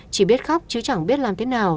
chỉ biết khóc chứ chẳng biết làm thế nào